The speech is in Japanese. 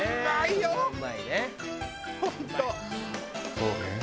そうね。